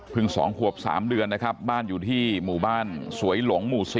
เพิ่ง๒๓เดือนบ้านอยู่ที่หมู่บ้านสวยหลงหมู่๔